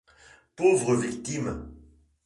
Pauvres victimes !